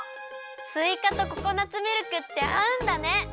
すいかとココナツミルクってあうんだね！